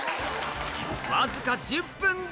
わずか１０分で！